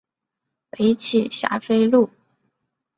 北起霞飞路。